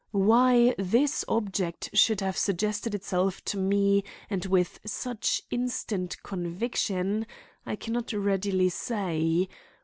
_ Why this object should have suggested itself to me and with such instant conviction, I can not readily say.